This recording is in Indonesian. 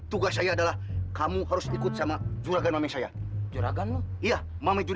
tugas saya adalah kamu harus ikut sama juragan juragan